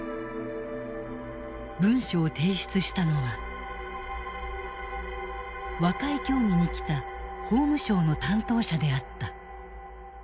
文書を提出したのは和解協議に来た法務省の担当者であった。